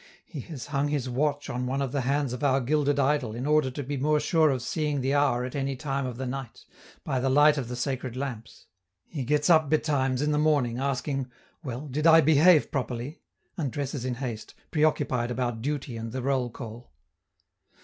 He has hung his watch on one of the hands of our gilded idol in order to be more sure of seeing the hour at any time of the night, by the light of the sacred lamps. He gets up betimes in the morning, asking: "Well, did I behave properly?" and dresses in haste, preoccupied about duty and the roll call.